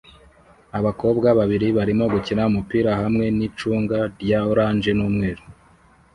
Abakobwa babiri barimo gukina umupira hamwe nicunga rya orange n'umweru